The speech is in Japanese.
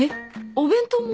お弁当も？